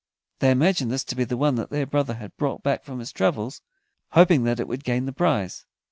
They imagined this to be the one their brother had brought back from his travels, hoping that it would gain the prize.